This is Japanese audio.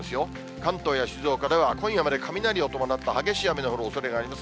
関東や静岡では今夜まで雷を伴った激しい雨の降るおそれがあります。